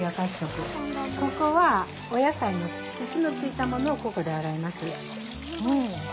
ここはお野さいの土のついたものをここで洗います。